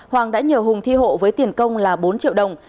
hoàng đã nhờ hùng thi hộ với tiền công là bốn triệu đồng